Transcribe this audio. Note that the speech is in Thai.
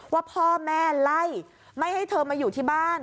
ว่าพ่อแม่ไล่ไม่ให้เธอมาอยู่ที่บ้าน